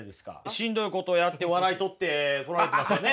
しんどいことをやって笑い取ってこられてますよね。